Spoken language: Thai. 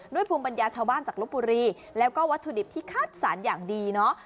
ภูมิปัญญาชาวบ้านจากลบบุรีแล้วก็วัตถุดิบที่คัดสรรอย่างดีเนาะ